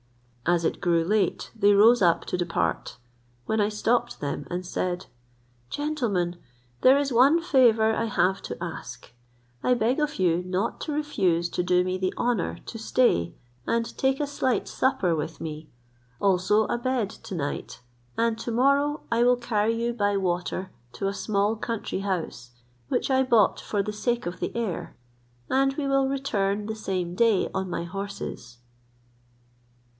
As it grew late, they arose up to depart; when I stopped them, and said, "Gentlemen, there is one favour I have to ask; I beg of you not to refuse to do me the honour to stay and take a slight supper with me, also a bed to night, and to morrow I will carry you by water to a small country house, which I bought for the sake of the air, and we will return the same day on my horses."